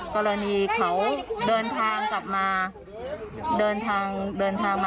ครับ